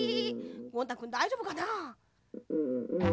ゴン太くんだいじょうぶかな？